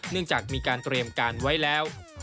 จากมีการเตรียมการไว้แล้ว